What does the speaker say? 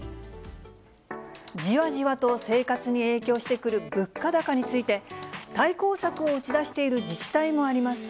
じわじわと生活に影響してくる物価高について、対抗策を打ち出している自治体もあります。